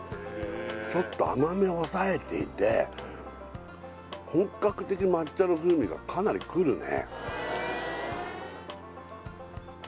ちょっと甘みを抑えていて本格的抹茶の風味がかなりくるね